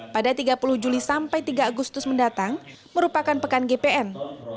pada tiga puluh juli sampai tiga agustus mendatang merupakan pekan gpn